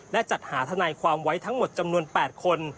และจัดหาทนายความไว้ทั้งหมดจำนวน๘คน